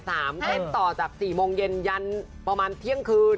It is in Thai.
เล่นต่อจาก๔โมงเย็นยันประมาณเที่ยงคืน